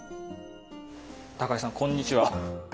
高井さんこんにちは。